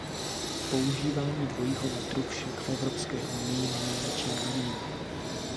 Používání dvojího metru však v Evropské unii není ničím novým.